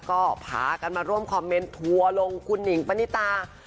ก็พากันมาร่วมคอมเมนต์ทัวร์ลงคุณหนิงปณิตา